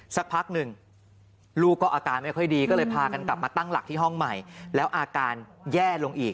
สักพักหนึ่งลูกก็อาการไม่ค่อยดีก็เลยพากันกลับมาตั้งหลักที่ห้องใหม่แล้วอาการแย่ลงอีก